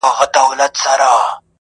• دا کتاب ختم سو نور، یو بل کتاب راکه.